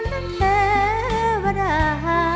สิ่งที่รักฟังคุณเชียวหน้าเทวดา